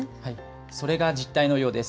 それが実態のようです。